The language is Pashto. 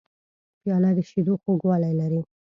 پیاله د شیدو خوږوالی لري.